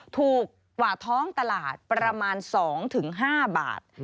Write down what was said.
ถูกกว่าท้องตลาดประมาณ๒๕บาท